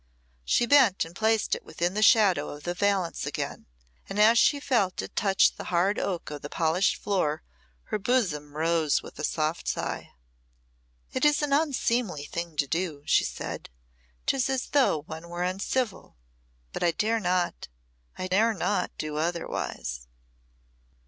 She bent and placed it within the shadow of the valance again, and as she felt it touch the hard oak of the polished floor her bosom rose with a soft sigh. "It is an unseemly thing to do," she said; "'tis as though one were uncivil; but I dare not I dare not do otherwise."